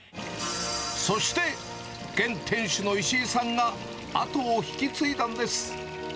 そして、現店主の石井さんが後を引き継いだんです。